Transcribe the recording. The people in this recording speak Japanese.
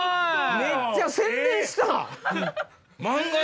めっちゃ宣伝した！